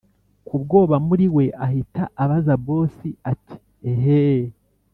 kubwoba muriwe ahita abaza boss ati”eeeehhhh